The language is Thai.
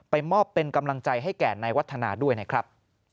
มอบเป็นกำลังใจให้แก่นายวัฒนาด้วยนะครับ